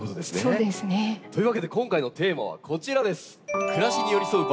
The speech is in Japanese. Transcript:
そうですね。というわけで今回のテーマはこちらです。